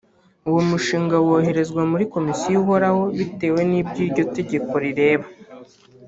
uwo mushinga woherezwa muri Komisiyo ihoraho (bitewe n’ibyo iryo tegeko rireba)